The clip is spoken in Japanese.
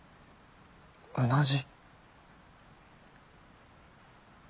うなじ？